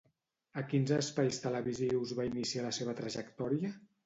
A quins espais televisius va iniciar la seva trajectòria?